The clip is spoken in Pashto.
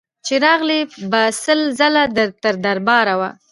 چي راغلې به سل ځله تر دربار وه